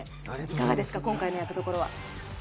いかがですか、今回の役どころは？